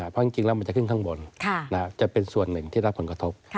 เพราะจริงแล้วมันจะขึ้นข้างบนจะเป็นส่วนหนึ่งที่รับผลกระทบ